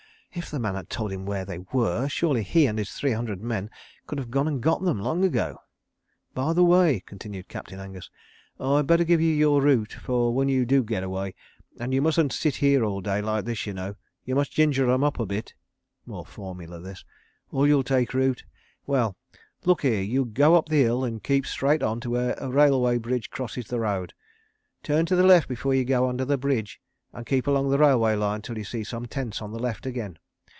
If the man had told him where they were, surely he and his three hundred men could have gone and got them long ago. "By the way," continued Captain Angus, "I'd better give you your route—for when you do get away—and you mustn't sit here all day like this, y'know. You must ginger 'em up a bit" (more formula this) "or you'll all take root. Well, look here, you go up the hill and keep straight on to where a railway bridge crosses the road. Turn to the left before you go under the bridge, and keep along the railway line till you see some tents on the left again.